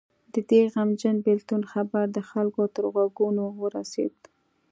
د دې غمجن بېلتون خبر د خلکو تر غوږونو ورسېد.